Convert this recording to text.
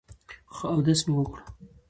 خو اودس مې وکړو ـ